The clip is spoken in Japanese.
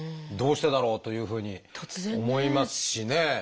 どうしてだろうというふうに思いますしね。